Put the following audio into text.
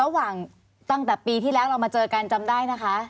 ตั้งแต่ปีที่แล้วเรามาเจอกันจำได้นะคะ